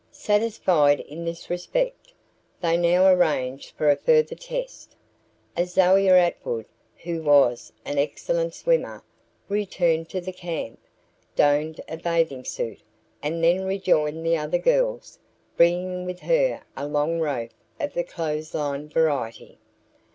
Satisfied in this respect, they now arranged for a further test. Azalia Atwood, who was an excellent swimmer, returned to the camp, donned a bathing suit, and then rejoined the other girls, bringing with her a long rope of the clothesline variety.